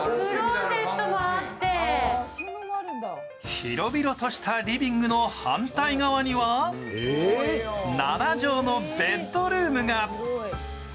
広々としたリビングの反対側には７畳のベッドルームが。